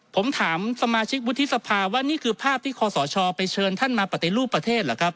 ผมถามสมาชิกวุฒิสภาว่านี่คือภาพที่คอสชไปเชิญท่านมาปฏิรูปประเทศเหรอครับ